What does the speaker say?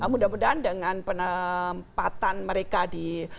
mudah mudahan dengan penempatan mereka di